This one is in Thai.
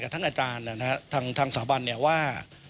ทั้งอาจารย์ทางสถาบันว่า